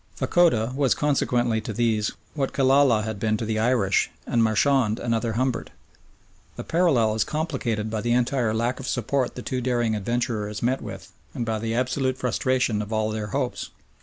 Fachoda was consequently to these what Killala had been to the Irish, and Marchand another Humbert. The parallel is completed by the entire lack of support the two daring adventurers met with, and by the absolute frustration of all their hopes.